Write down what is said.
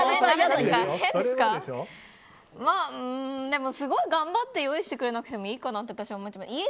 でも、すごい頑張って用意してくれなくてもいいかなって私は思っちゃう。